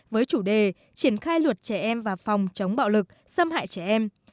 với chủ đề triển khai luật trẻ em và phòng chống bạo lực xâm hại trẻ em